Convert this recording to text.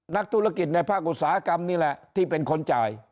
นักธุรกิจในภาคอุตสาหกรรมนี่แหละที่เป็นคนจ่าย